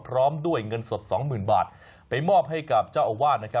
พร้อมด้วยเงินสด๒๐๐๐๐บาทไปมอบให้กับเจ้าอาวาส